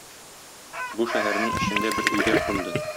Бу шәһәрнең эчендә бер өйдә кунды.